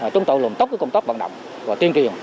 chúng tôi luôn tốt cái công tác vận động và tuyên truyền